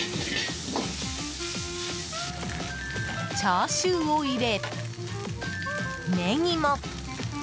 チャーシューを入れ、ネギも。